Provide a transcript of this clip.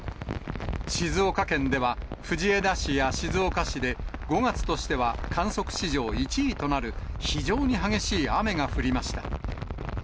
静岡県では、藤枝市や静岡市で、５月としては観測史上１位となる、非常に激しい雨が降りました。